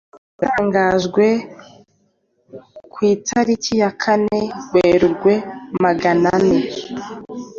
Yatangajwe kw'itariki ya kane Werurwe maganane